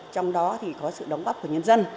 trong đó thì có sự đóng góp của nhân dân